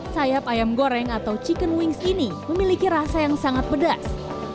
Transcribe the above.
sayap ayam goreng atau chicken wings ini memiliki rasa yang sangat pedas